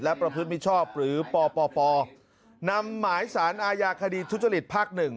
และประพฤติมิชชอบหรือปปนำหมายสารอาญาคดีทุจริตภาคหนึ่ง